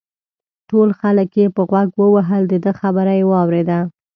ټول خلک یې په غوږ ووهل دده خبره یې واورېده.